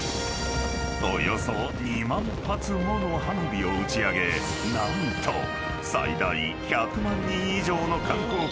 ［およそ２万発もの花火を打ち上げ何と最大１００万人以上の観光客が訪れたことも］